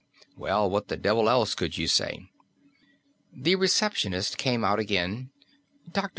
_ Well, what the devil else could you say? The receptionist came out again. "Dr.